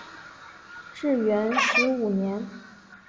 至元十五年。